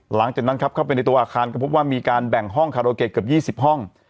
หลังจากนั้นครับเข้าไปในตัวอาคารก็พบว่ามีการแบ่งห้องคาโรเกะเกือบ๒๐ห้อง